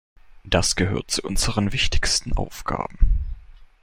Das gehört zu unseren wichtigsten Aufgaben.